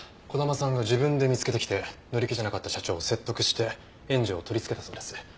児玉さんが自分で見つけてきて乗り気じゃなかった社長を説得して援助を取り付けたそうです。